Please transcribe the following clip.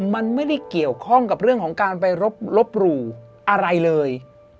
มันไม่ได้เกี่ยวข้องกับเรื่องของการไปลบหลู่อะไรเลย